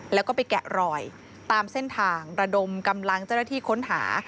แล้วก็ไปแกะรอยตามเส้นทางระดมกำลังเจ้าหน้าที่ค้นหา